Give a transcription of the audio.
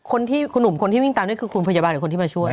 คนที่คุณหนุ่มคนที่วิ่งตามนี่คือคุณพยาบาลหรือคนที่มาช่วย